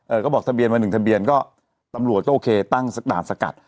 เขาบอกทะเบียนมาหนึ่งทะเบียนก็ตำรวจก็โอเคตั้งสักด่านสกัด